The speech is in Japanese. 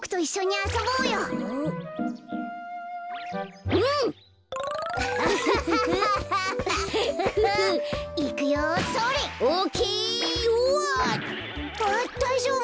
あっだいじょうぶ？